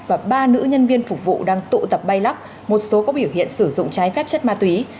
và ba nữ nhân viên phục vụ đang tụ tập bay lắc một số có biểu hiện sử dụng trái phép chất ma túy